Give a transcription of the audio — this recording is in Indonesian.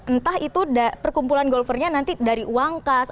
entah itu perkumpulan golfernya nanti dari uang kas